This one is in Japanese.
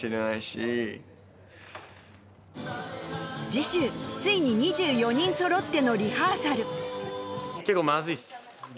次週ついに２４人そろってのリハーサル